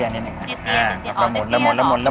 มานี่ใช้หลายกระบอกแล้วแล้วอ่ะน้ำตาลหมดอ่ะแม่เฮ้ย